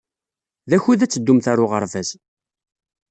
D akud ad teddumt ɣer uɣerbaz.